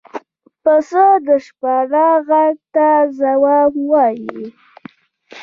پسه د شپانه غږ ته ځواب وايي.